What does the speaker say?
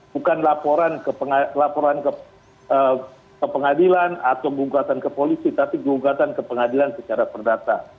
bukan laporan ke pengadilan atau gugatan ke polisi tapi gugatan ke pengadilan secara perdata